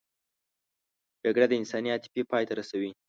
جګړه د انساني عاطفې پای ته رسوي